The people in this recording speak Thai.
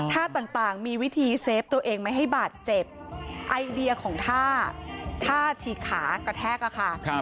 ท่าต่างมีวิธีเซฟตัวเองไม่ให้บาดเจ็บไอเดียของท่าท่าฉีกขากระแทกอะค่ะ